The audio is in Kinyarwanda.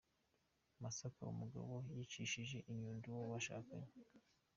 Masaka Umugabo yicishije inyundo uwo bashakanye